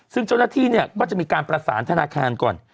ซึ่งเจ้าหน้าที่เนี่ยก็จะมีการประสานธนาคารก่อน